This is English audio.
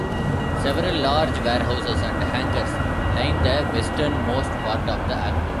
Several large warehouses and hangars line the westernmost part of the airport.